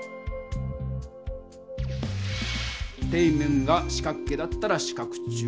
底面が四角形だったら「四角柱」。